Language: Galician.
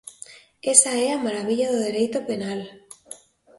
Esa é a marabilla do dereito penal.